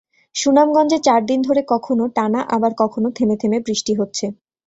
সুনামগঞ্জে চার দিন ধরে কখনো টানা আবার কখনো থেমে থেমে বৃষ্টি হচ্ছে।